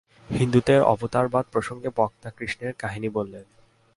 হিন্দুদের অবতারবাদ-প্রসঙ্গে বক্তা কৃষ্ণের কাহিনী বলেন।